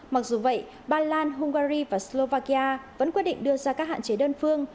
mặc dù vậy ba lan hungary và slovakia vẫn quyết định đưa ra các hạn chế đơn phương